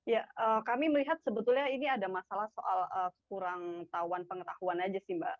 ya kami melihat sebetulnya ini ada masalah soal kurang tahuan pengetahuan saja sih mbak